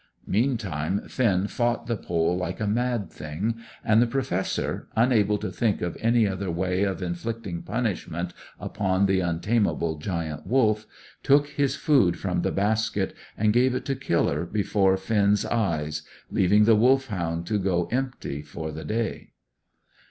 Meantime, Finn fought the pole like a mad thing; and the Professor, unable to think of any other way of inflicting punishment upon the untameable Giant Wolf, took his food from the basket and gave it to Killer before Finn's eyes, leaving the Wolfhound to go empty for the day.